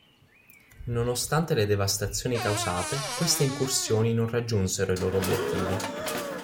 Nonostante le devastazioni causate queste incursioni non raggiunsero i loro obiettivi.